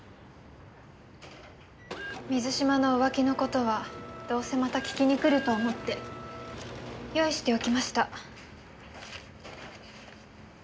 水嶋の浮気の事はどうせまた聞きに来ると思って用意しておきました。